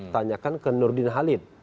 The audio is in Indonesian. tanyakan ke nurdin halid